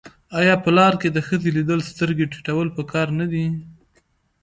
آیا په لار کې د ښځې لیدل سترګې ټیټول پکار نه دي؟